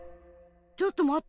ちょっとまって。